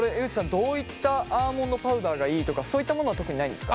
どういったアーモンドパウダーがいいとかそういったものは特にないんですか？